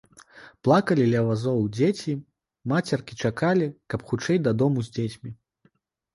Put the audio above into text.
Плакалі ля вазоў дзеці, мацяркі чакалі, каб хутчэй дадому з дзецьмі.